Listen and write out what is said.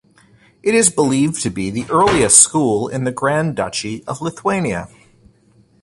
It is believed to be the earliest school in the Grand Duchy of Lithuania.